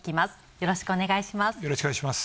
よろしくお願いします。